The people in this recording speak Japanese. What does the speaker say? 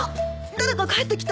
誰か帰ってきた。